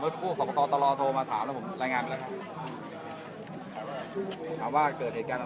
มีผู้ที่ได้รับบาดเจ็บและถูกนำตัวส่งโรงพยาบาลเป็นผู้หญิงวัยกลางคน